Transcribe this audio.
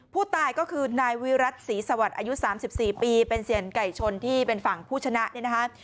ผู้ตายก็คือนายวิรัติศรีสวัสดิ์อายุ๓๔ปีเป็นเซียนไก่ชนที่เป็นฝั่งผู้ชนะเนี่ยนะคะ